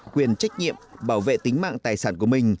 quyền trách nhiệm bảo vệ tính mạng tài sản của mình